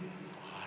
ああ！